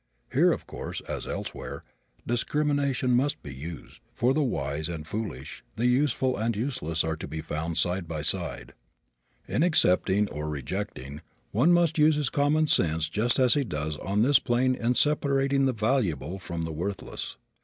Here, of course, as elsewhere, discrimination must be used, for the wise and foolish, the useful and useless are to be found side by side. In accepting or rejecting, one must use his common sense just as he does on this plane in separating the valuable from the worthless.